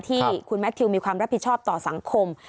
ที่คุณแมททิวมีความรับผิดชอบต่อสังคม